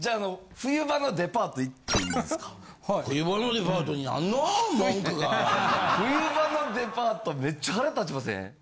冬場のデパートめっちゃ腹立ちません？